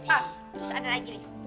pak terus ada lagi nih